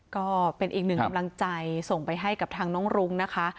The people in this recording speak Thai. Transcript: ก็เป็นอีกหนึ่งกำลังใจส่งไปให้กับทางน้องรุ้งนะคะ